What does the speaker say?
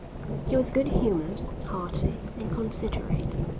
He was good humoured, hearty, and considerate.